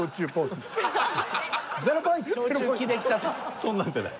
そんなんじゃない。